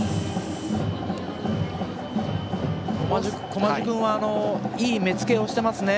駒壽君はいい目付けをしていますね。